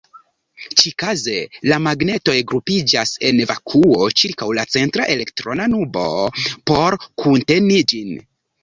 Ĉikaze, la magnetoj grupiĝas en vakuo ĉirkaŭ la centra elektrona nubo, por kunteni ĝin.